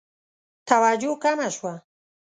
توجه کمه شوه.